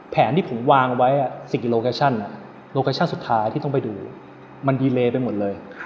แผนที่ผมวางไว้โลกาชั่นสุดท้ายที่ต้องไปดูมันดีเรย์ไปหมดเลย